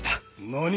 何？